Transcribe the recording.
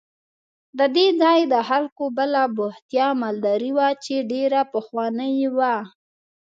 د دې ځای د خلکو بله بوختیا مالداري وه چې ډېره پخوانۍ وه.